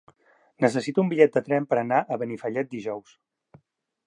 Necessito un bitllet de tren per anar a Benifallet dijous.